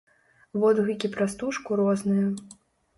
Водгукі пра стужку розныя.